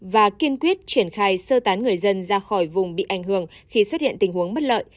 và kiên quyết triển khai sơ tán người dân ra khỏi vùng bị ảnh hưởng khi xuất hiện tình huống bất lợi